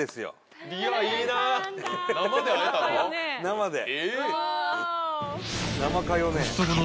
生で。